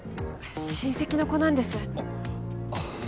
親戚の子なんです